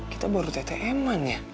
kita baru ttm ya